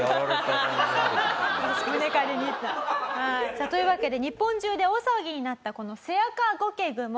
さあというわけで日本中で大騒ぎになったこのセアカゴケグモ